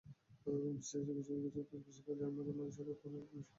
বিশ্বের কিছু দেশে, বিশেষ করে ডেনমার্কে মানুষের বয়স অনুসারে মাছ খাওয়ার নির্দেশনা আছে।